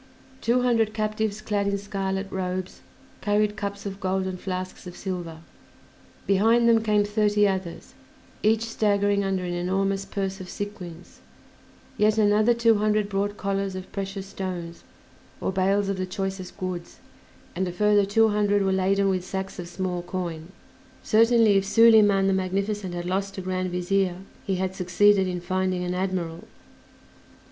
Two hundred captives clad in scarlet robes carried cups of gold and flasks of silver; behind them came thirty others, each staggering under an enormous purse of sequins; yet another two hundred brought collars of precious stones or bales of the choicest goods; and a further two hundred were laden with sacks of small coin. Certainly if Soliman the Magnificent had lost a Grand Vizier he had succeeded in finding an admiral!